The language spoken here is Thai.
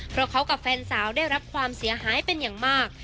เพราะเขากับแฟนสาวได้รับความเสียหายเป็นอย่างมาก